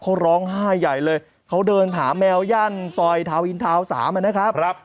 เขาร้องไห้ใหญ่เลยเขาเดินหาแมวย่านซอยทาวนอินทาวน์๓นะครับ